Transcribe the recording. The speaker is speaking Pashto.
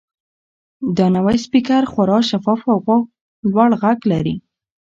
دا نوی سپیکر خورا شفاف او لوړ غږ لري.